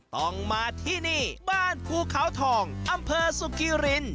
ต้องมาที่นี่บ้านภูเขาทองอำเภอสุกิริน